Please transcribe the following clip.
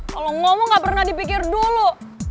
kalau ngomong gak pernah dipikir dulu